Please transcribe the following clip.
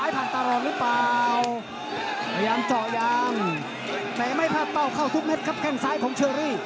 แต่ไม่เกินเบ้าเข้าทุกเม็ดครับแก้งซ้ายของเชอรี่